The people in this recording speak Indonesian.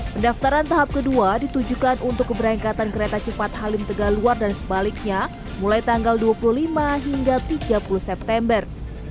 pendaftaran tahap kedua ditujukan untuk keberangkatan kereta cepat halim tegaluar dan sebaliknya mulai tanggal dua puluh lima hingga tiga puluh september